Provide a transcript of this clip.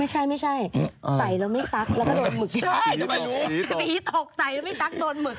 หิตก